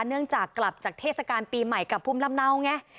เนื่องจากกลับจากเทศกาลปีใหม่กับภูมิลำเนาไง